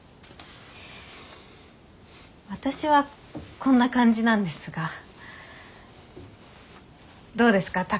私はこんな感じなんですがどうですか？